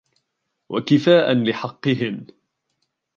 وَكِفَاءً لِحَقِّهِنَّ